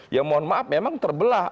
ya mohon maaf memang terbelah